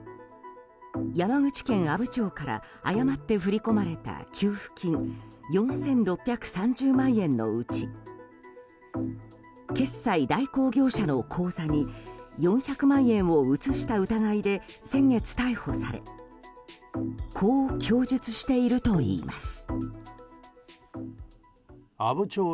山口県阿武町から誤って振り込まれた給付金４６３０万円のうち決済代行業者の口座に４００万円を移した疑いで先月、逮捕されこう供述しているといいます。